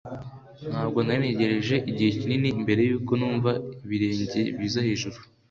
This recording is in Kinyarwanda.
Ntabwo nari ntegereje igihe kinini mbere yuko numva ibirenge biza hejuru